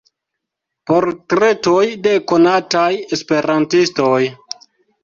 Portretoj de konataj Esperantistoj.